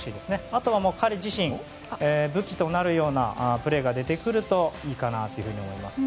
あとは彼自身、武器となるようなプレーが出てくるといいかなと思います。